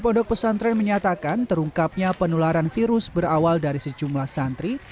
pondok pesantren menyatakan terungkapnya penularan virus berawal dari sejumlah santri